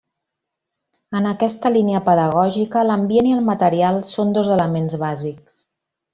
En aquesta línia pedagògica, l'ambient i el material són dos elements bàsics.